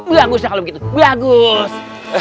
bagus kalau begitu bagus